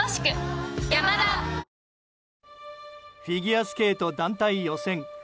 フィギュアスケート団体予選。